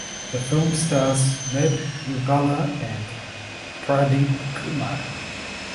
The film stars Madhubala and Pradeep Kumar.